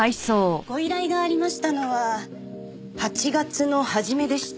ご依頼がありましたのは８月の初めでした。